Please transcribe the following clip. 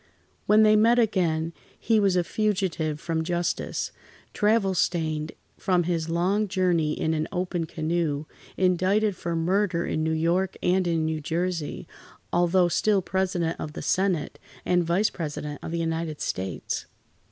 When they met again, he was a fugitive from justice, travel stained from his long journey in an open canoe, indicted for murder in New York, and in New Jersey, although still President of the Senate, and Vice President of the United States.